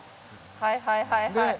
はいはいはいはい。